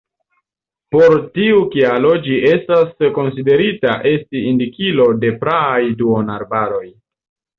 Por tiu kialo ĝi estas konsiderita esti indikilo de praaj duonarbaroj.